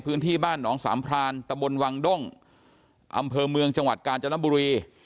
พื้นที่บ้านหนองสามพรานตะบนวังด้งอำเภอเมืองจังหวัดกาญจนบุรี